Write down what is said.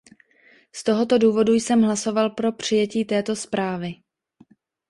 Z tohoto důvodu jsem hlasoval pro přijetí této zprávy.